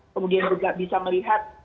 kemudian juga bisa melihat